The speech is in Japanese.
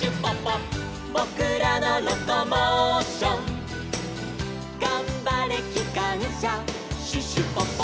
「ぼくらのロコモーション」「がんばれきかんしゃシュシュポポ」